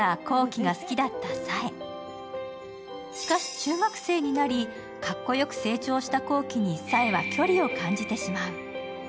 中学生になりかっこよく成長した光輝に朔英は距離を感じてしまう。